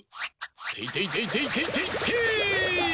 ていていていていていてい！